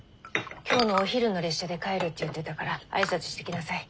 今日のお昼の列車で帰るって言ってたから挨拶してきなさい。